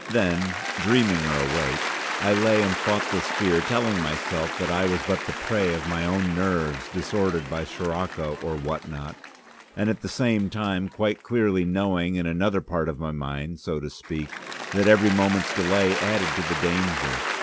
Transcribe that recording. Then (dreaming or awake) I lay and fought this fear, telling myself that I was but the prey of my own nerves disordered by Sirocco or what not, and at the same time quite clearly knowing in another part of my mind, so to speak, that every moment's delay added to the danger.